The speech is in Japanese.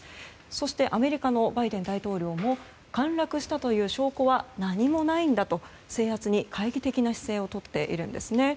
そして、アメリカのバイデン大統領も陥落したという証拠は何もないんだと制圧に懐疑的な姿勢をとっているんですね。